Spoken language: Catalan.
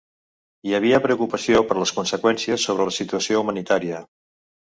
Hi havia preocupació per les conseqüències sobre la situació humanitària.